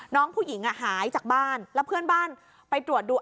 น้องผู้หญิงหายจากบ้านแล้วเพื่อนบ้านไปตรวจดู